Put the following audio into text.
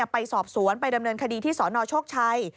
ไปสอบสวนไปดำเนินคดีที่สนโชคชัย